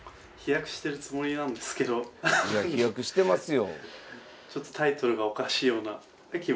いや飛躍してますよ。